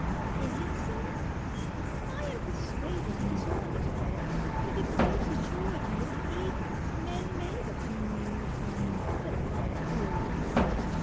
Is it so? I am persuaded it is not. To the great majority of evils men may become inured ; but not to all.